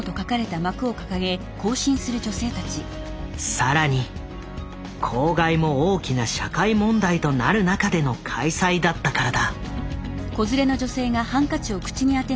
更に公害も大きな社会問題となる中での開催だったからだ。